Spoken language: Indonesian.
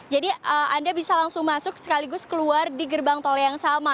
jadi anda bisa langsung masuk sekaligus keluar di gerbang tol yang sama